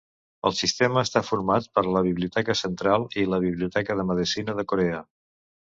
El sistema està format per la Biblioteca Central i la Biblioteca de Medicina de Corea.